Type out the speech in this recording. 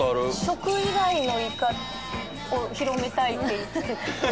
「食以外のイカを広めたいって言ってた」